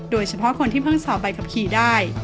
โดยเฉพาะคนที่เพิ่งสอบใบขับขี่ได้